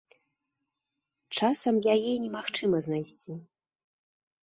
Часам яе немагчыма знайсці.